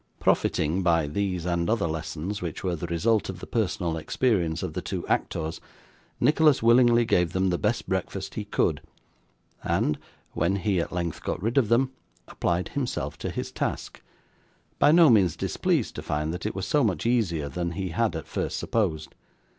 Profiting by these and other lessons, which were the result of the personal experience of the two actors, Nicholas willingly gave them the best breakfast he could, and, when he at length got rid of them, applied himself to his task: by no means displeased to find that it was so much easier than he had at first supposed.